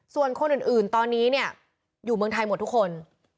ส่วนคนอื่นตอนนี้เนี่ยอยู่เมืองไทยหมดทุกคน